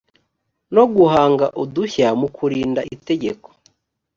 no guhanga udushya mu kurinda itegeko